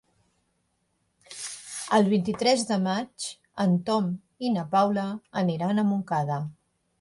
El vint-i-tres de maig en Tom i na Paula aniran a Montcada.